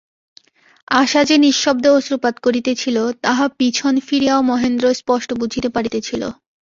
আশা যে নিঃশব্দে অশ্রুপাত করিতেছিল, তাহা পিছন ফিরিয়াও মহেন্দ্র স্পষ্ট বুঝিতে পারিতেছিল।